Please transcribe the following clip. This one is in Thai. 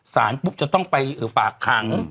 สารปุ๊บจะต้องไปฝากขัง